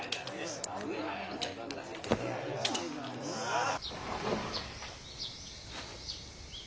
ああ。